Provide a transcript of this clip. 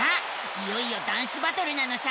いよいよダンスバトルなのさ！